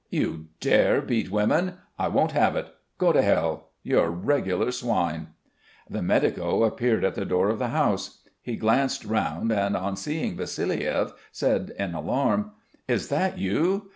"You dare beat women! I won't have it. Go to Hell. You're regular swine." The medico appeared at the door of the house. He glanced round and on seeing Vassiliev, said in alarm: "Is that you?